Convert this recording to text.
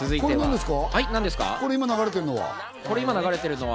これ今、流れてるのは？